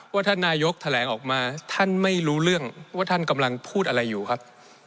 ท่านนายกแถลงออกมาท่านไม่รู้เรื่องว่าท่านกำลังพูดอะไรอยู่ครับ